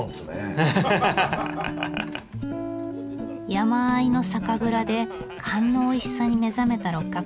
山あいの酒蔵で燗のおいしさに目覚めた六角さん。